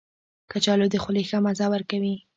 کچالو د خولې ښه مزه ورکوي